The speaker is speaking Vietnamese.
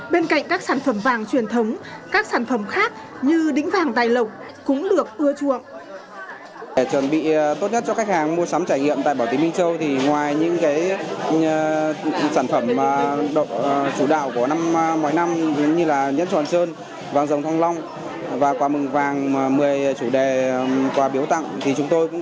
bên cạnh các sản phẩm vàng truyền thống các sản phẩm khác như đính vàng tài lộng cũng được ưa chuộng